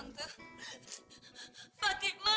umi aku mau ke rumah